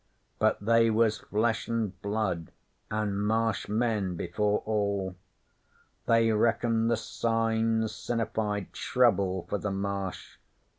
But they was Flesh an' Blood, an' Marsh men before all. They reckoned the signs sinnified trouble for the Marsh.